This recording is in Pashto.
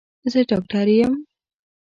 زه ډاکټر یم